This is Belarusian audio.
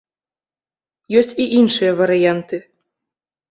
Ёсць і іншыя варыянты.